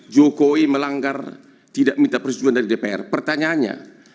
jokowi melanggar tidak minta persetujuan dari dpr pertanyaannya